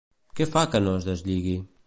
Què fa que no es deslligui?